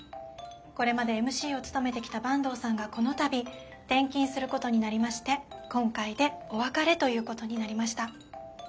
これまでＭＣを務めてきた坂東さんがこの度転勤することになりまして今回でお別れということになりました。